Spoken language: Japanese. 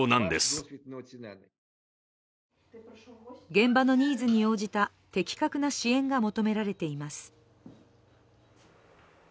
現場のニーズに応じた的確な支援が求められています。